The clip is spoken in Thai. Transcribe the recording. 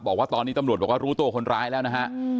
บอกว่าตอนนี้ตำรวจบอกว่ารู้ตัวคนร้ายแล้วนะฮะ